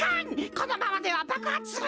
このままではばくはつする！